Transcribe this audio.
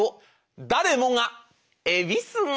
誰もがえびす顔。